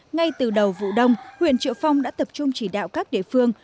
ngay từ đầu vụ đông huyện triệu phong đã tập trung chỉ đạo các địa phương